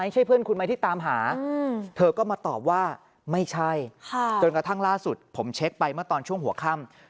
จนกระทั่งร่าสุดผมเช็คไปมาตอนช่วงหัวค่ำ